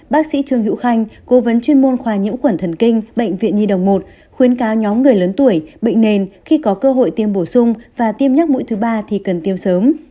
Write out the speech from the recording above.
bác sĩ trương hữu khanh cố vấn chuyên môn khoa nhiễm khuẩn thần kinh bệnh viện nhi đồng một khuyến cáo nhóm người lớn tuổi bệnh nền khi có cơ hội tiêm bổ sung và tiêm nhắc mũi thứ ba thì cần tiêm sớm